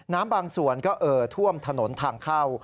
บางส่วนก็เอ่อท่วมถนนทางเข้า